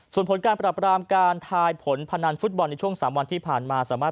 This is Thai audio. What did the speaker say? ส่วนผลการปรับรามการทายผลพนันฟุตบอลในช่วง๓วันที่ผ่านมาสามารถ